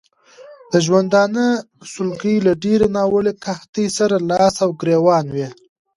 د ژوندانه سلګۍ له ډېرې ناوړه قحطۍ سره لاس او ګرېوان وې.